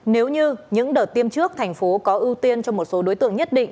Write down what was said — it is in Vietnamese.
nếu như những đợt tiêm trước tp hcm có ưu tiên cho một số đối tượng nhất định